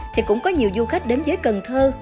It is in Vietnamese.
thì cũng có nhiều du khách đến với cần thơ